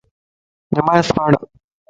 نماز پڙھ